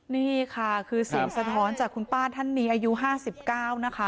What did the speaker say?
นี่ค่ะคือเสียงสะท้อนจากคุณป้าท่านนี้อายุ๕๙นะคะ